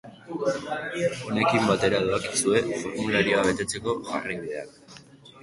Honekin batera doazkizue formularioa betetzeko jarraibideak.